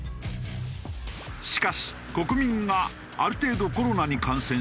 しかし国民がある程度コロナに感染すると。